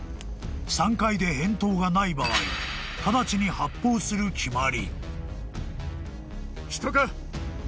［３回で返答がない場合直ちに発砲する決まり］